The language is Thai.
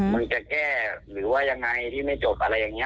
มันจะแก้หรือว่ายังไงที่ไม่จบอะไรอย่างนี้